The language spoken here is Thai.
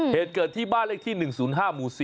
เหตุเกิดที่บ้านเลขที่๑๐๕หมู่๔